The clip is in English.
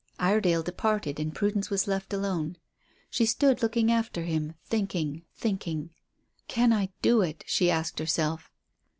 Iredale departed, and Prudence was left alone. She stood looking after him thinking, thinking. "Can I do it?" she asked herself.